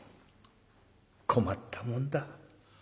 困ったもんだ」。